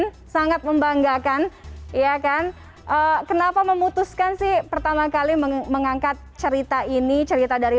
hai sangat membanggakan ya kan kenapa memutuskan sih pertama kali mengangkat cerita ini cerita dari